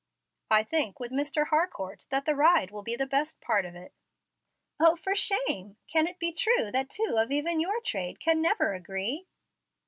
"I think, with Mr. Harcourt, that the ride will be the best part of it." "O, for shame! Can it be true that two of even your trade can never agree?"